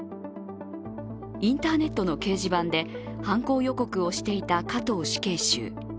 インターネットの掲示板で犯行予告をしていた加藤死刑囚。